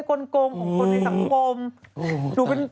กลงงมในสังคม